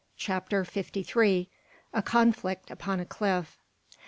CHAPTER FIFTY THREE. A CONFLICT UPON A CLIFF.